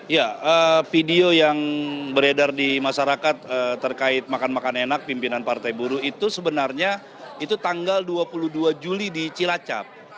ya video yang beredar di masyarakat terkait makan makan enak pimpinan partai buruh itu sebenarnya itu tanggal dua puluh dua juli di cilacap